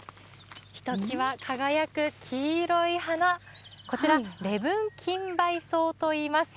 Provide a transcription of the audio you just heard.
ひときわ輝く黄色い花、こちら、レブンキンバイソウといいます。